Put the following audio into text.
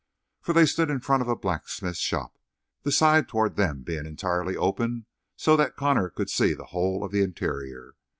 For they stood in front of a blacksmith shop, the side toward them being entirely open so that Connor could see the whole of the interior.